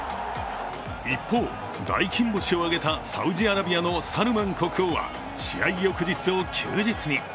一方、大金星を挙げたサウジアラビアのサルマン国王は試合翌日を休日に。